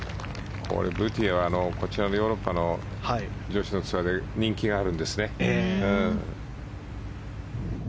ブティエはヨーロッパの女子のツアーで人気があるんですね。